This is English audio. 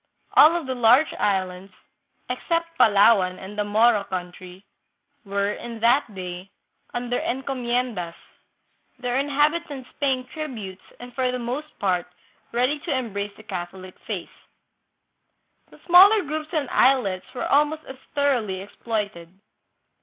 All of the large islands, except Palawan and the Moro country, were, in that day, under encomiendas, their inhabitants paying tributes and for the most part ready to embrace the Catholic faith. The smaller groups and islets were almost as thor oughly exploited.